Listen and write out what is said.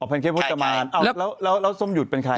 แนนเค้กุจมานแล้วส้มหยุดเป็นใคร